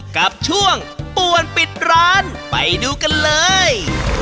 กับช่วงป่วนปิดร้านไปดูกันเลย